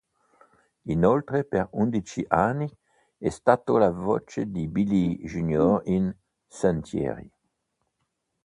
Inoltre, per undici anni, è stato la voce di Billy Jr in "Sentieri".